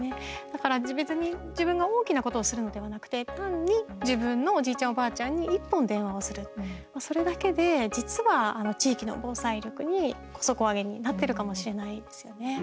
だから、別に自分が大きなことをするのではなくて単に自分のおじいちゃんおばあちゃんに１本電話をするそれだけで、実は地域の防災力に底上げになってるかもしれないですよね。